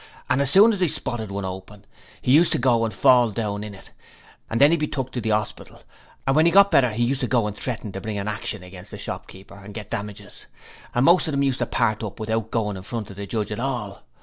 As soon as he spotted one open, he used to go and fall down in it; and then he'd be took to the 'orspital, and when he got better he used to go and threaten to bring a action against the shop keeper and get damages, and most of 'em used to part up without goin' in front of the judge at all.